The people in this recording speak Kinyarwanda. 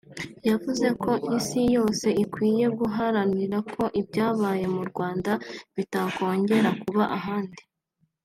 yavuze ko isi yose ikwiye guharanira ko ibyabaye mu Rwanda bitakongera kuba ahandi